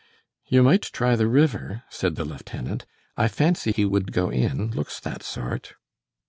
"You might try the river," said the lieutenant. "I fancy he would go in. Looks that sort."